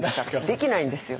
できないんですよ。